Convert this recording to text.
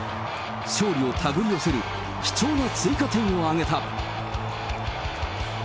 勝利を手繰り寄せる貴重な追加点を挙げた。